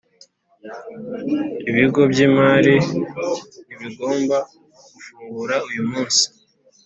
Ibigo by imari ntibigomba gufungura uyu munsi